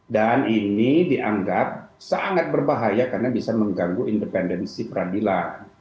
dan ini dianggap sangat berbahaya karena bisa mengganggu independensi peradilan